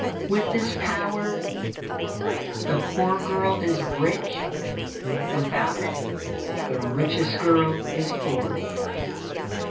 With this power, the poor girl is rich; without it, the richest girl is poor.